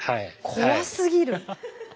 怖すぎる。